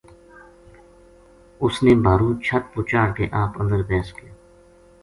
اس نے بھارُو چھت پو چاہڑھ کے آپ اندر بیس گیو